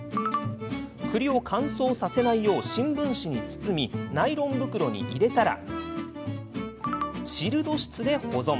くりを乾燥させないよう新聞紙に包みナイロン袋に入れたらチルド室で保存。